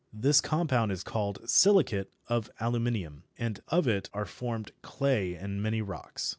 This compound is called silicate of aluminium, and of it are formed clay and many rocks.